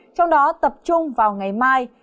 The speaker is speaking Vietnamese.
trong đó tập trung vào ngày mai